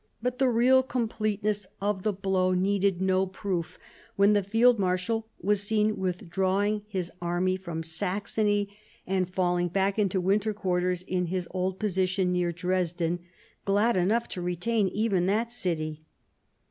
But the real completeness of the blow needed no proof when the field marshal was seen withdrawing his army from Saxony, and falling back into winter quarters in his old position near Dresden, glad enough to retain even that city.